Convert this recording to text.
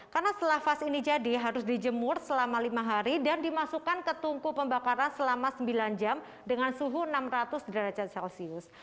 karena setelah vas ini jadi harus dijemur selama lima hari dan dimasukkan ke tungku pembakaran selama sembilan jam dengan suhu enam ratus derajat celcius